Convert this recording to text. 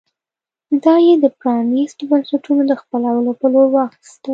دا یې د پرانېستو بنسټونو د خپلولو په لور واخیستل.